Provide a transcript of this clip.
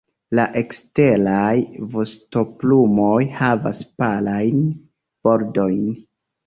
La eksteraj vostoplumoj havas palajn bordojn.